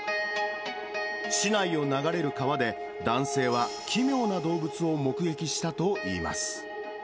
市内を流れる川で、男性は奇妙な動物を目撃したといいます。